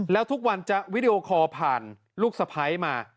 แล้วทุกวันจะวิดีโอคอลผ่านลูกสะพ้ายมา